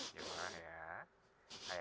jangan marah ya